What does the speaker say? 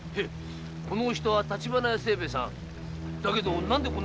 このお人は橘屋清兵衛さん。